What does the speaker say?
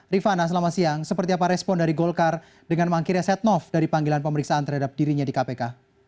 rifana selama siang seperti apa respon dari golkar dengan mangkirnya setnov dari panggilan pemeriksaan terhadap dirinya di kpk